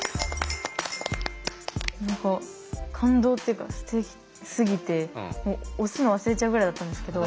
何か感動っていうかすてきすぎて押すの忘れちゃうぐらいだったんですけど。